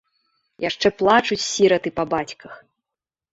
Яшчэ плачуць сіраты па бацьках.